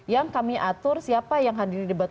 yang kami atur siapa yang hadir di debat